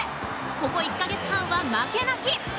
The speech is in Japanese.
ここ１か月半は負けなし！